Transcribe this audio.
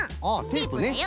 テープだよ。